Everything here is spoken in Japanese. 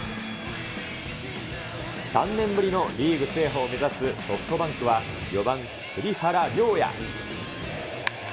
３年ぶりのリーグ制覇を目指すソフトバンクは、４番栗原陵矢。